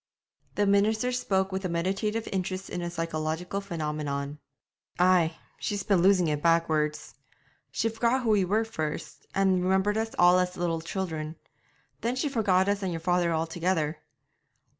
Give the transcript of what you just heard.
The minister spoke with a meditative interest in a psychological phenomenon. 'Ay, she's been losing it backwards; she forgot who we were first, and remembered us all as little children; then she forgot us and your father altogether.